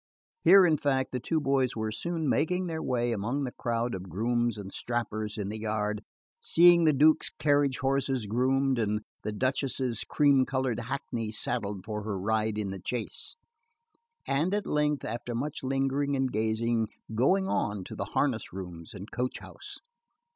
Here in fact the two boys were soon making their way among the crowd of grooms and strappers in the yard, seeing the Duke's carriage horses groomed, and the Duchess's cream coloured hackney saddled for her ride in the chase; and at length, after much lingering and gazing, going on to the harness rooms and coach house.